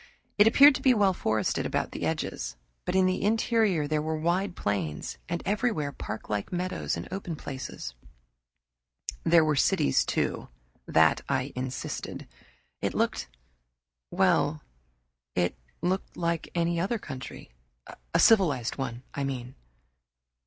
It appeared to be well forested about the edges, but in the interior there were wide plains, and everywhere parklike meadows and open places. There were cities, too; that I insisted. It looked well, it looked like any other country a civilized one, I mean.